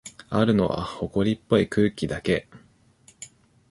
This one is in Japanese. あるのは、ほこりっぽい空気だけ。